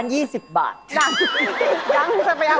ยังยังจะไปเอาของเขาอีก